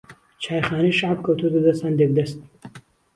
چایخانەی شەعب کەوتۆتە دەست ھەندێک دەست